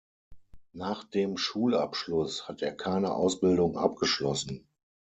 Nach dem Schulabschluss hat er keine Ausbildung abgeschlossen.